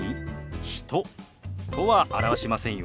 「人」とは表しませんよ。